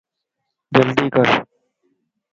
جلدي ڪر